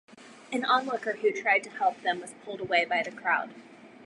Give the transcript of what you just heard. An onlooker who tried to help them was pulled away by the crowd.